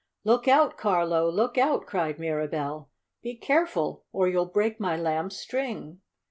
"Look out, Carlo! Look out!" cried Mirabell. "Be careful or you'll break my Lamb's string!"